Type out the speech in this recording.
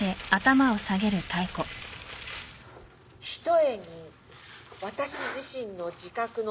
ひとえに私自身の自覚の。